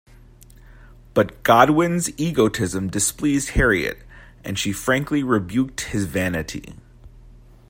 But Godwin's egotism displeased Harriet, and she frankly rebuked his vanity.